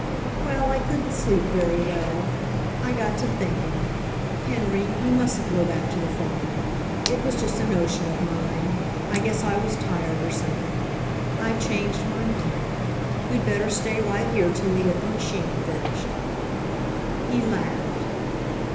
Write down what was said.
"Well, I couldn't sleep very well. I got to thinking — Henry, we mustn't go back to the farm. It was just a notion of mine. I guess I was tired, or something. I've changed my mind. We'd better stay right here till you get the ma chine finished." He laughed.